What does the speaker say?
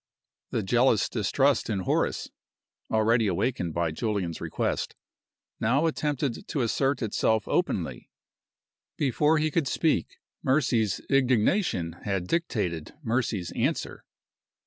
The jealous distrust in Horace (already awakened by Julian's request) now attempted to assert itself openly. Before he could speak, Mercy's indignation had dictated Mercy's answer.